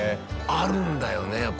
あるんだよねやっぱ。